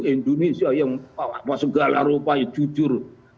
indonesia yang segala rupanya jujur